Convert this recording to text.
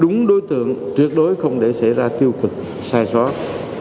đúng đối tượng truyệt đối không để xảy ra tiêu cực sai xót